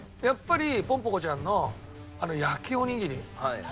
やっぱりぽんぽ娘ちゃんの焼きおにぎり。